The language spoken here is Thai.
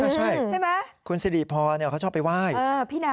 ใช่ไหมคุณสิริพรเขาชอบไปไหว้